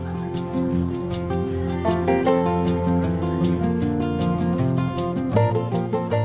pusat niaga perhiasan emas